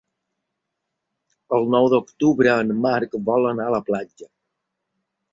El nou d'octubre en Marc vol anar a la platja.